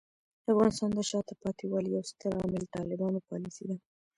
د افغانستان د شاته پاتې والي یو ستر عامل طالبانو پالیسۍ دي.